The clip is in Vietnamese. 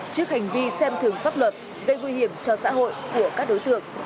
trước hành vi xem thường pháp luật gây nguy hiểm cho xã hội của các đối tượng